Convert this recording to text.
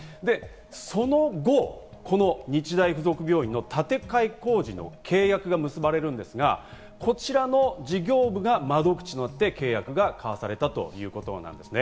その後、日大付属病院の建て替え工事の契約が結ばれるんですが、こちらの事業部が窓口となって契約が交わされたということです。